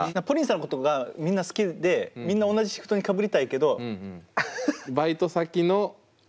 ＰＯＲＩＮさんのことがみんな好きでみんな同じシフトにかぶりたいけど。